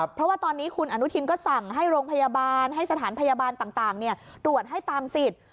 เพราะว่าตอนนี้คุณอนุทินก็สั่งให้โรงพยาบาลให้สถานพยาบาลต่างตรวจให้ตามสิทธิ์